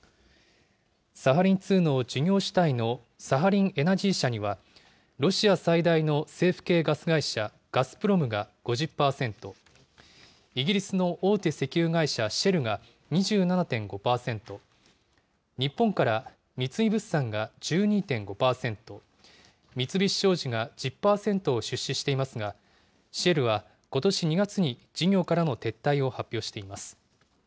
サハリン２の事業主体のサハリンエナジー社には、ロシア最大の政府系ガス会社、ガスプロムが５０％、イギリスの大手石油会社、シェルが２７．５％、日本から三井物産が１２．５％、三菱商事が１０％を出資していますが、シェルはことし２月に事業からの撤退を発表しています。